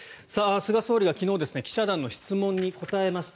菅総理が昨日記者団の質問に答えました。